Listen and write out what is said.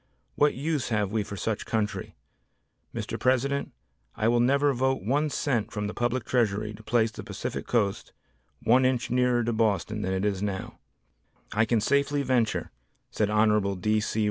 What use have we for such country? Mr. President, I will never vote 1 cent from the Public Treasury to place the Pacific Coast 1 inch nearer to Boston than it now is." "I can safely venture," said Hon. D. C.